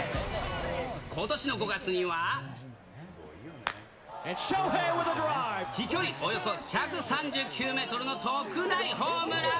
ことしの５月には、飛距離およそ１３９メートルの特大ホームラン。